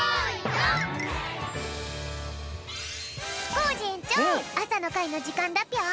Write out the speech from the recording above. コージえんちょうあさのかいのじかんだぴょん！